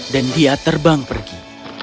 dan dia terbang pergi